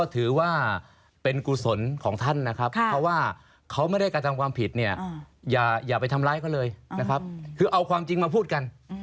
ตอนนี้ในทีมวิจัยนักวิจัยนักคุยกันว่าไงคะ